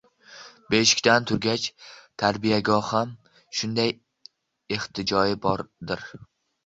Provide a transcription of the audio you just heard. beshikdan turgach tarbiyagaham shunday ehtiyoji bordir.